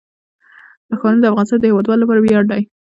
ښارونه د افغانستان د هیوادوالو لپاره ویاړ دی.